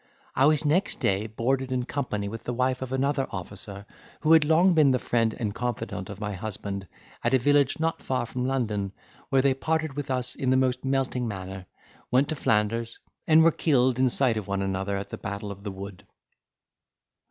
I was next day boarded in company with the wife of another officer, who had long been the friend and confidant of my husband, at a village not far from London, where they parted with us in the most melting manner, went to Flanders, and were killed in sight of one another at the battle of the Wood.